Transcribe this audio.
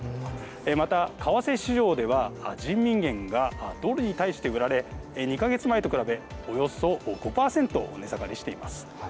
また、為替市場では人民元が、ドルに対して売られ２か月前と比べ、およそ５％値下がりしています。